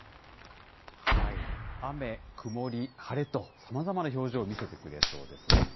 雨、曇り、晴れと、さまざまな表情を見せてくれそうですね。